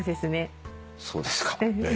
そうですね。